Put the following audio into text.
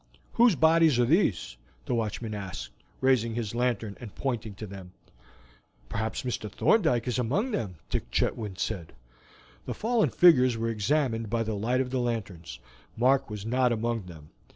"Whose bodies are these?" the watchman asked, raising his lantern and pointing to them. "Perhaps Mr. Thorndyke is among them," Dick Chetwynd said. The fallen figures were examined by the light of the lanterns. Mark was not among them.